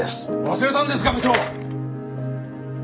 忘れたんですか部長！